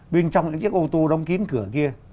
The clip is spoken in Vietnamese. bên trong những chiếc ô tô đóng kín cửa kia